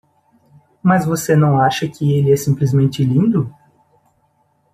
Mas você não acha que ele é simplesmente lindo?